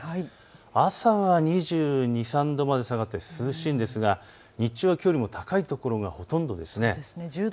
朝は２２、２３度まで下がって涼しいんですが日中はきょうよりも高い所がほとんどです。